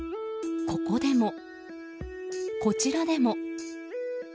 ここでも、こちらでも。